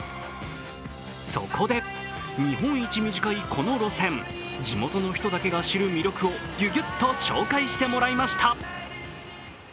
そこで、日本一短いこの路線、地元の人だけが知る魅力をギュギュッと紹介してもらいました。